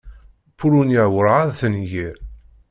Pulunya werɛad tengir.